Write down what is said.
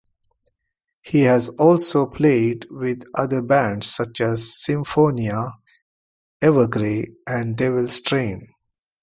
He has also played with other bands such as Symfonia, Evergrey, and Devil's Train.